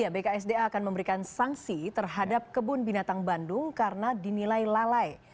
bksda akan memberikan sanksi terhadap kebun binatang bandung karena dinilai lalai